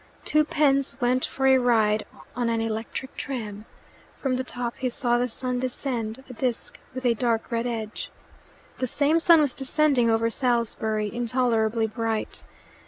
Two pence went for a ride on an electric tram. From the top he saw the sun descend a disc with a dark red edge. The same sun was descending over Salisbury intolerably bright.